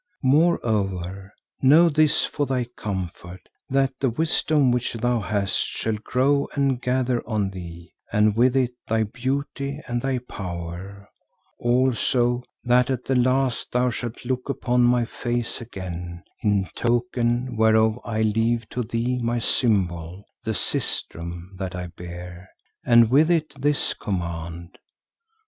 Moreover, know this for thy comfort, that the wisdom which thou hast shall grow and gather on thee and with it thy beauty and thy power; also that at the last thou shalt look upon my face again, in token whereof I leave to thee my symbol, the sistrum that I bear, and with it this command.